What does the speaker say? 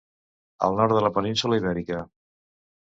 Al nord de la península Ibèrica.